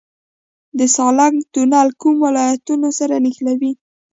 د سالنګ تونل کوم ولایتونه سره نښلوي؟